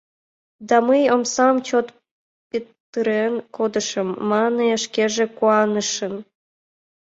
— Да, мый омсам чот петырен кодышым, — мане шкеже куанышын.